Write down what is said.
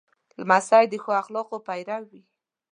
لمسی د ښو اخلاقو پیرو وي.